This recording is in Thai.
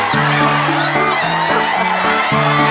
ต้องมา